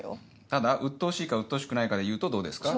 ただうっとうしいかうっとうしくないかでいうとどうですか？